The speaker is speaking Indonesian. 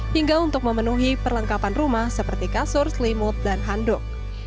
hingga untuk memenuhi perlengkapan rumah seperti kasur selimut dan handuk